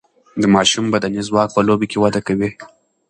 د ماشومان بدني ځواک په لوبو کې وده کوي.